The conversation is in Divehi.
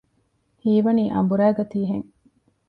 ހީވަނީ އަނބުރައިގަތީ ހެން